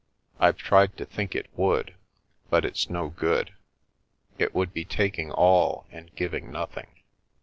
I've tried to think it would, but it's no good. It would be taking all and giving nothing.